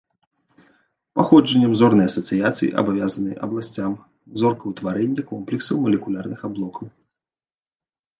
Паходжаннем зорныя асацыяцыі абавязаны абласцям зоркаўтварэння комплексаў малекулярных аблокаў.